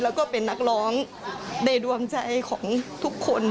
แล้วก็เป็นนักร้องในดวงใจของทุกคน